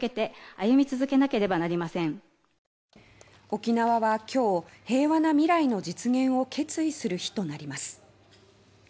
沖縄は今日平和な未来の実現を決意する日となります。